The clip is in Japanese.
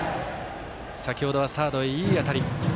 先ほどはサード、いい当たり。